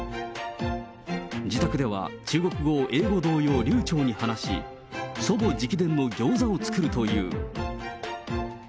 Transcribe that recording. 自宅では中国語を英語同様流ちょうに話し、祖母直伝のギョーザを作るという。